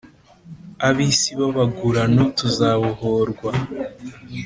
ab’isi b'abagurano tuzabohorwa,